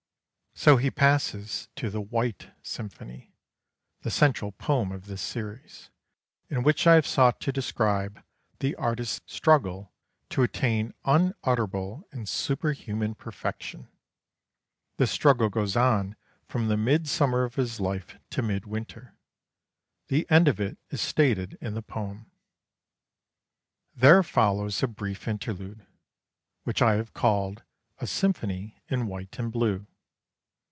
So he passes to the "White Symphony," the central poem of this series, in which I have sought to describe the artist's struggle to attain unutterable and superhuman perfection. This struggle goes on from the midsummer of his life to midwinter. The end of it is stated in the poem. There follows a brief interlude, which I have called a "Symphony in White and Blue."